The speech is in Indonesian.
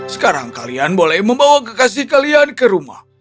sekarang kalian boleh membawa kekasih kalian ke rumah